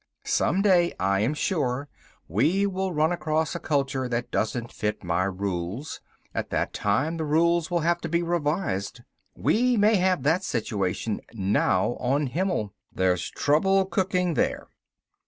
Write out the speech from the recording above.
Some day, I am sure, we will run across a culture that doesn't fit my rules. At that time the rules will have to be revised. We may have that situation now on Himmel. There's trouble cooking there."